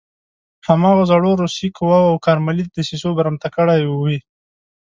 هماغو زړو روسي قواوو او کارملي دسیسو برمته کړی وي.